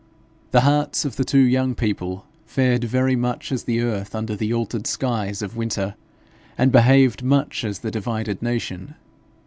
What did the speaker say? The hearts of the two young people fared very much as the earth under the altered skies of winter, and behaved much as the divided nation.